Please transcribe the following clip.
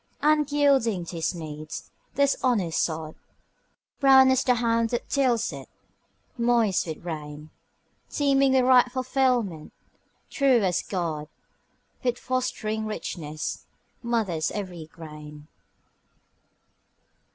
And yielding to his needs, this honest sod, Brown as the hand that tills it, moist with rain, Teeming with ripe fulfilment, true as God, With fostering richness, mothers every grain.